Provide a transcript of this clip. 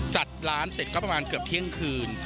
จัดร้านเสร็จก็ประมาณเกือบเที่ยงคืน